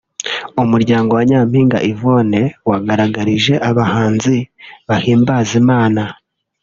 umuryango wa Nyampinga Yvonne wagaragarije abahanzi bahimbaza Imana